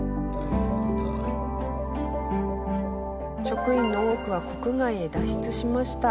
職員の多くは国外へ脱出しました。